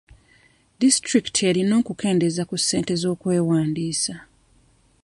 Disitulikiti erina okukendeeza ku ssente z'okwewandiisa.